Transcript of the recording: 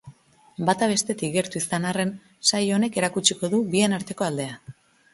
Bata bestetik gertu izan arren, saio honek erakutsiko du bien arteko aldea.